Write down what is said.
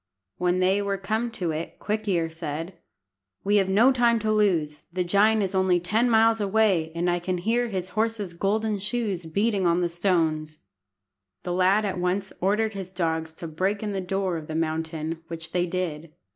When they were come to it, Quick ear said "We have no time to lose. The giant is only ten miles away, and I can hear his horse's golden shoes beating on the stones." The lad at once ordered his dogs to break in the door of the mountain, which they did.